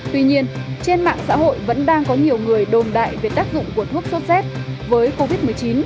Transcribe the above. tuy nhiên trên mạng xã hội vẫn đang có nhiều người đồn đại về tác dụng của thuốc sốt z với covid một mươi chín